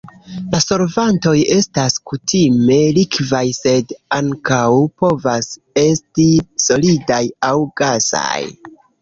La solvantoj estas kutime likvaj sed ankaŭ povas esti solidaj aŭ gasaj.